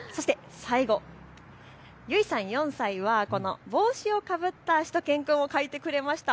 そして最後、ゆいさん４歳は帽子をかぶったしゅと犬くんを描いてくれました。